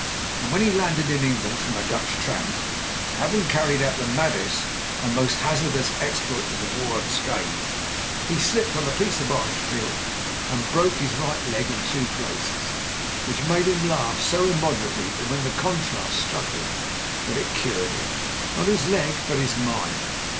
And when he landed in England from a Dutch tramp, having car ried out the maddest and most hazardous exploit of the war unscathed, he slipped up on a piece of orange peel and brc4ce his right leg in two places, which made him laugh so immoderately when the contrast struck him that it cured him' — ^not his leg, but his mind.